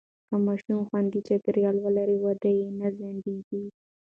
که ماشومان خوندي چاپېریال ولري، وده یې نه ځنډېږي.